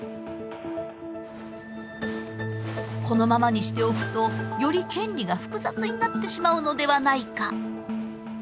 このままにしておくとより権利が複雑になってしまうのではないか。